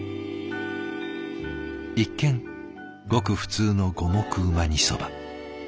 一見ごく普通の五目うま煮ソバ。